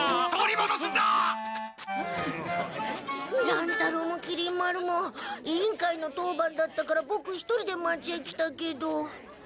乱太郎もきり丸も委員会の当番だったからボク一人で町へ来たけど。